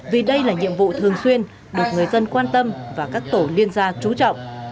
vì đây là nhiệm vụ thường xuyên được người dân quan tâm và các tổ liên gia trú trọng